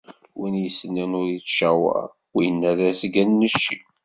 Win yessnen ur ittcawar, winna d azgen n cci.